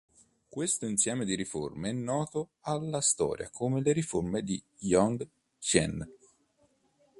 Questo insieme di riforme è noto alla storia come "riforme di Yong Zhen".